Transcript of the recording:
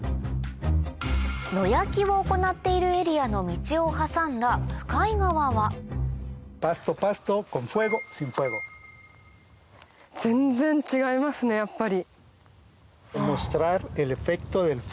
野焼きを行っているエリアの道を挟んだ全然違いますねやっぱり。